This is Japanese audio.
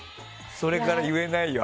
それから言えないよ。